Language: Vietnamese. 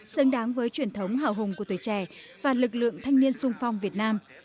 xứng đáng với truyền thống hào hùng của tuổi trẻ và lực lượng thanh niên sung phong việt nam